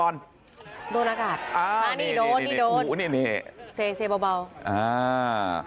โดนอากาศอ่านี่โดนอุ้นี่เหเสบเบาอ่า